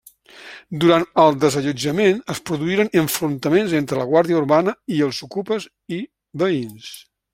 Durant el desallotjament, es produïren enfrontaments entre la Guàrdia Urbana i els okupes i veïns.